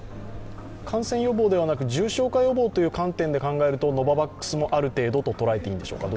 感染予防ではなく重症化予防という観点で考えると、ノババックスもある程度と捉えていいんでしょうか？